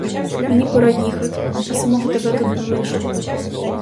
Мені пора їхать, а самого тебе тут не лишу.